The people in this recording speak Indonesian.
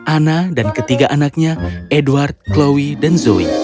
ana dan ketiga anaknya edward chlowi dan zoe